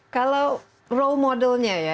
kalau role modelnya ya